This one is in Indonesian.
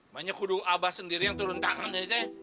manya kudung abah sendiri yang turun tangan ya teh